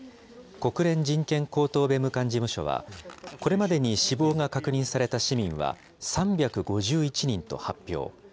国連人権高等弁務官事務所は、これまでに死亡が確認された市民は３５１人と発表。